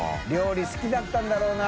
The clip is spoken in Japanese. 鼠好きだったんだろうな。